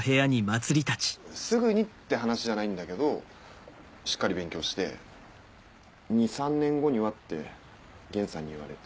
すぐにって話じゃないんだけどしっかり勉強して２３年後にはって玄さんに言われて。